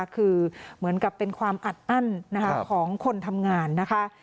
คือเหมือนกับเป็นความอัดอั้นของคนทำงานนะคะ